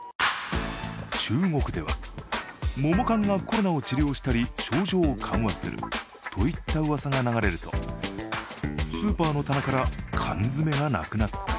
中国では、桃缶がコロナを治療したり症状を緩和するといったうわさが流れるとスーパーの棚から缶詰がなくなったり